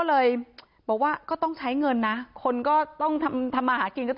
เพราะไม่มีเงินไปกินหรูอยู่สบายแบบสร้างภาพ